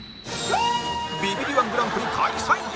ビビリ −１ グランプリ開催